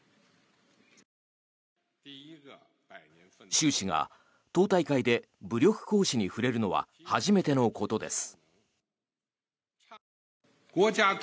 習氏が党大会で武力行使に触れるのは初めてのことです。